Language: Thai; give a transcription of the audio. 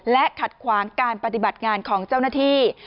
และขัดขวางการปฏิบัติงานของเจ้าหน้าที่